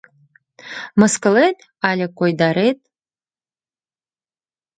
Мыскылет але койдарет!..